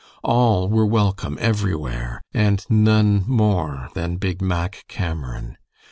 All were welcome everywhere, and none more than Big Mack Cameron.